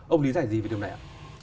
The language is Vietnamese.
ông lý giải gì về điều này ạ